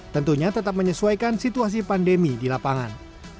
tentunya tetap menyesuaikan situasi pandemi di lapangan